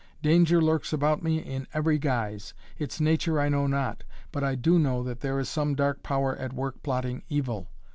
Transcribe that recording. Danger lurks about me in every guise. Its nature I know not. But I do know that there is some dark power at work plotting evil.